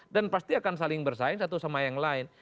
dan pasti akan saling bersaing satu sama yang lain